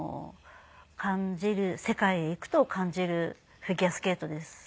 世界へ行くと感じるフィギュアスケートです。